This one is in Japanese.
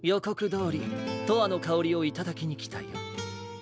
こくどおり「とわのかおり」をいただきにきたよ。